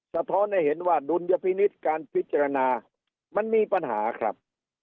สะท้อนให้เห็นว่าดุลยพินิษฐ์การพิจารณามันมีปัญหาครับ